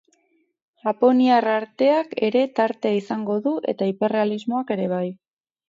Japoniar arteak ere tartea izango du, eta hiperrealismoak ere bai.